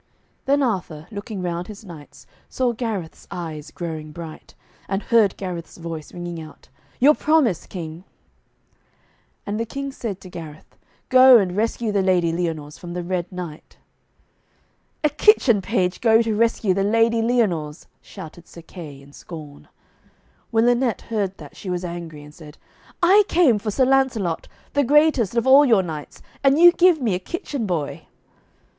Then Arthur, looking round his knights, saw Gareth's eyes growing bright, and heard Gareth's voice ringing out, 'Your promise, King.' And the King said to Gareth, 'Go and rescue the Lady Lyonors from the Red Knight.' 'A kitchen page go to rescue the Lady Lyonors!' shouted Sir Kay in scorn. When Lynette heard that, she was angry, and said, 'I came for Sir Lancelot, the greatest of all your knights, and you give me a kitchen boy.'